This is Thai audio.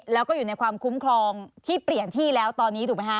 แล้วก็อยู่ในความคุ้มครองที่เปลี่ยนที่แล้วตอนนี้ถูกไหมฮะ